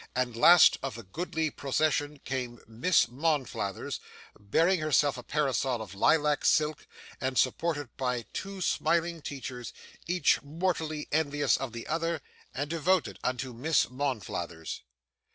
And last of the goodly procession came Miss Monflathers, bearing herself a parasol of lilac silk, and supported by two smiling teachers, each mortally envious of the other, and devoted unto Miss Monflathers.